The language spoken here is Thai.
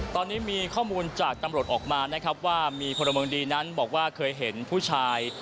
ตอนนี้มีข้อมูลจากตำรวจออกมานะครับว่ามีพลเมืองดีนั้นบอกว่าเคยเห็นผู้ชาย